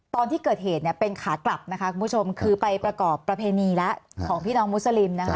ตอนที่เกิดเหตุเนี่ยเป็นขากลับนะคะคุณผู้ชมคือไปประกอบประเพณีแล้วของพี่น้องมุสลิมนะคะ